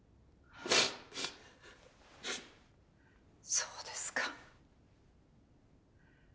そうですか。